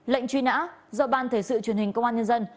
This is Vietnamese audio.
lệnh truy nã do ban thể sự truyền hình công an nhân dân